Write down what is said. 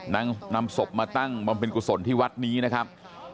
นำศพมาตั้งบำเพ็ญกุศลที่วัดนี้นะครับ